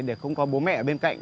để không có bố mẹ ở bên cạnh